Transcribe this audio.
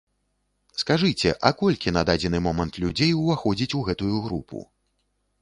Скажыце, а колькі на дадзены момант людзей уваходзіць у гэтую групу?